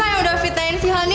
masa yang udah fitnahin si hal ini